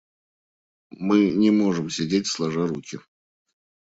Мы не можем сидеть сложа руки.